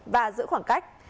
và giữ khoảng cách